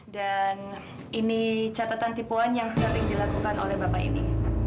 dan ini catatan tipuan yang sering dilakukan oleh bapak ini